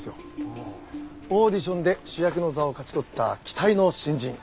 オーディションで主役の座を勝ち取った期待の新人。